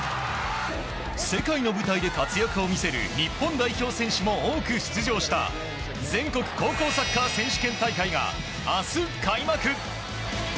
世界の舞台で活躍を見せる日本代表選手も多く出場した全国高校サッカー選手権大会が明日、開幕。